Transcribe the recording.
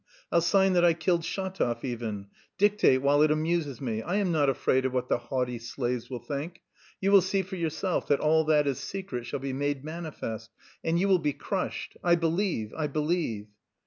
I'll sign that I killed Shatov even. Dictate while it amuses me. I am not afraid of what the haughty slaves will think! You will see for yourself that all that is secret shall be made manifest! And you will be crushed.... I believe, I believe!"